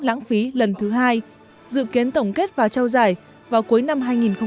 lãng phí lần thứ hai dự kiến tổng kết và trao giải vào cuối năm hai nghìn hai mươi